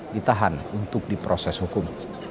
ditahan untuk diproses hukum